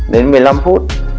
đến một mươi năm phút